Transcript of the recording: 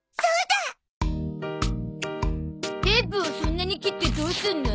テープをそんなに切ってどうするの？